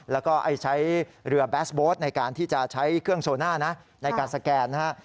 แล้วก็ใช้เรือแบสโบ๊ทในการที่จะใช้เครื่องโซน่านะในการสแกนนะฮะ